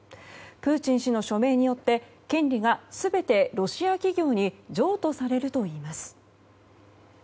プーチン氏の署名によって権利が全てロシア企業に譲渡されるといいます。